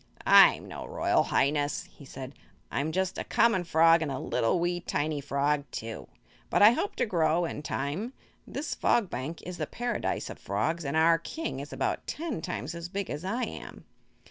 "I'm no Royal Highness," he said. "I'm just a common frog; and a little wee tiny frog, too. But I hope to grow, in time. This Fog Bank is the Paradise of Frogs and our King is about ten times as big as I am."